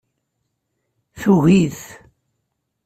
Tugi-t.